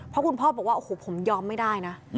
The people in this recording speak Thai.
เพราะคุณพ่อบอกว่าโอ้โหผมยอมไม่ได้นะ